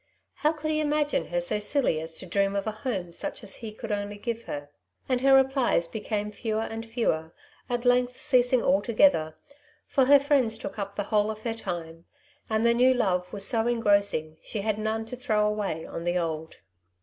How could he imagine her so silly as to dream of a home such as he could only give her ? And her replies became fewer and fewer, at length ceasing altogether, for her friends took up the whole of her time, and the new love was so en grossing she had none to throw away on the old.